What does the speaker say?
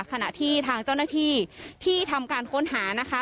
ขณะที่ทางเจ้าหน้าที่ที่ทำการค้นหานะคะ